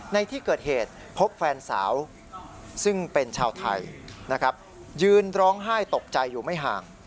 ในที่เกิดเหตุพบแฟนสาวซึ่งเป็นชาวไทยนะครับยืนร้องไห้ตกใจอยู่ไม่ห่าง